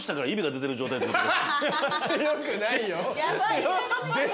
よくないよ。